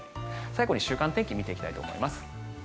最後に週間天気を見ていきたいと思います。